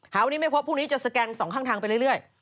วันนี้ไม่พบพรุ่งนี้จะสแกนสองข้างทางไปเรื่อย